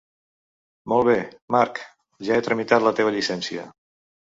Molt bé, Marc, ja he tramitat la teva llicència.